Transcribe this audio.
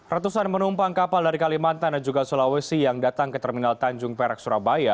ratusan penumpang kapal dari kalimantan dan juga sulawesi yang datang ke terminal tanjung perak surabaya